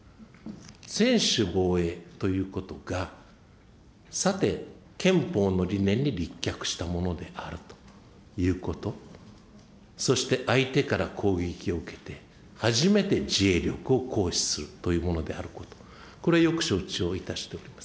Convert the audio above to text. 専守防衛ということが、さて、憲法の理念に立脚したものであるということ、そして相手から攻撃を受けて、初めて自衛力を行使するというものであること、これ、よく承知をいたしております。